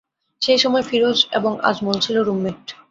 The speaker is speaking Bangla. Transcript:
সেই সময় ফিরোজ এবং আজমল ছিল রুমমেট।